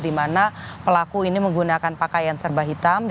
di mana pelaku ini menggunakan pakaian serba hitam